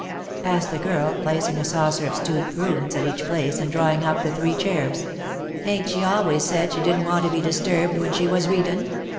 asked the girl, placing a saucer of stewed prunes at each place and drawing up the three chairs. "Ain't she always said she didn't want to be disturbed when she was readin'?"